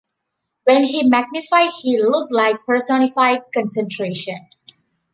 When he magnetised he looked like personified concentration.